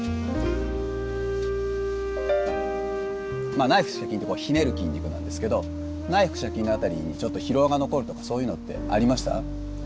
まあ内腹斜筋ってこうひねる筋肉なんですけど内腹斜筋の辺りにちょっと疲労が残るとかそういうのってありました？